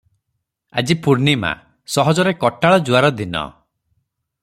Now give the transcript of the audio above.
ଆଜି ପୂର୍ଣ୍ଣିମା - ସହଜରେ କଟାଳ ଜୁଆର ଦିନ ।